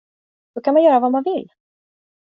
Då kan man göra vad man vill.